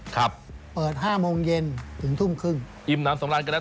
ครับเปิดห้าโมงเย็นถึงทุ่มครึ่งอิ่มน้ำสำราญก็แล้ว